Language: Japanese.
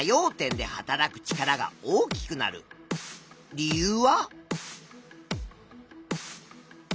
理由は？